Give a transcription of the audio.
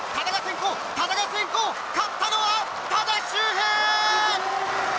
勝ったのは多田修平！